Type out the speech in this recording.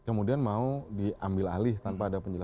dan kemudian mau diambil alih tanpa membenahinya